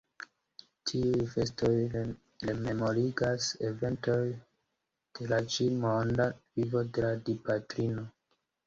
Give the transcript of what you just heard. Tiuj festoj rememorigas eventojn de la ĉi-monda vivo de la Dipatrino.